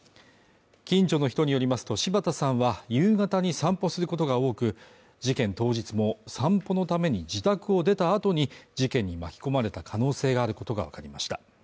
近所の人によりますと柴田さんは夕方に散歩することが多く、事件当日も散歩のために自宅を出た後に事件に巻き込まれた可能性があることがわかりました。